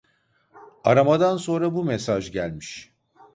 Aramadan sonra bu mesaj gelmiş